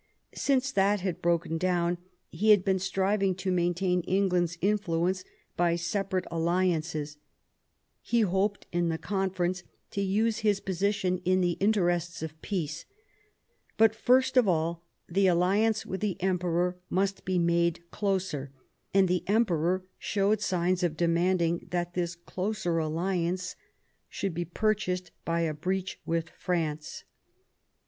Since that had broken down he had been striving to maintain Eng land's influence by separate alliances ; he hoped in the conference to use this position in the interests of peace. But first of all the alliance with the Emperor must be made closer, and the Emperor showed signs of demanding that this closer alliance should be purchased by a breach with France.